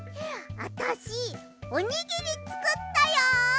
あたしおにぎりつくったよ！